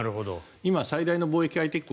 今、最大の貿易相手国